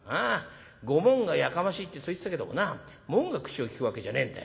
ご門がやかましいってそう言ってたけどもな門が口を利くわけじゃねえんだよ。